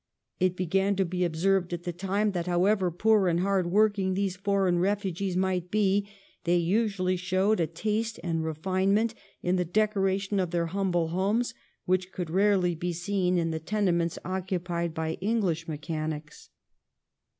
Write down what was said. It began to be observed at the time that however poor and hard worked these foreign refugees might be, they usually showed a taste and refinement in the decoration of their humble homes which could rarely be seen in the tenements occupied by Enghsh mechanics.